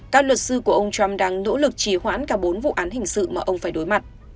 các luật sư của ông trump đang nỗ lực trì hoãn cả bốn vụ án hình sự mà ông phải đối mặt